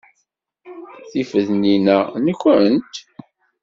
Tifednin-a nkent?